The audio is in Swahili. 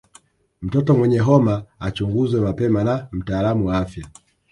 Mtoto mwenye homa achunguzwe mapema na mtaalamu wa afya